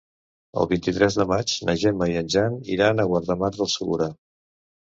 El vint-i-tres de maig na Gemma i en Jan iran a Guardamar del Segura.